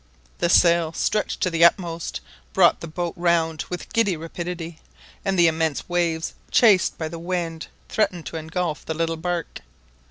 The sail, stretched to the utmost, brought the boat round with giddy rapidity, and the immense waves, chased by the wind, threatened to engulf the little bark.